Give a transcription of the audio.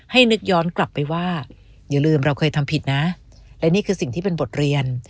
นึกย้อนกลับไปว่าอย่าลืมเราเคยทำผิดนะและนี่คือสิ่งที่เป็นบทเรียน